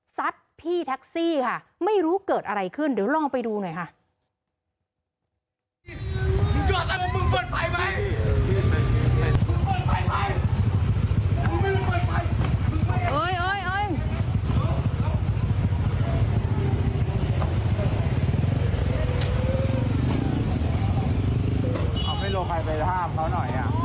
พี่แท็กซี่ค่ะไม่รู้เกิดอะไรขึ้นเดี๋ยวลองไปดูหน่อยค่ะ